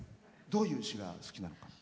どういう詞が好きなの？